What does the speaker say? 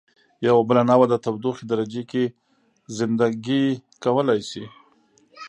یوه بله نوعه د تودوخې درجې کې زنده ګي کولای شي.